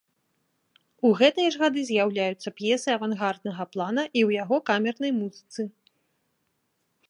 У гэтыя ж гады з'яўляюцца п'есы авангарднага плана і ў яго камернай музыцы.